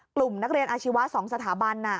กลุ่มนักเรียนอาชีวะ๒สถาบัน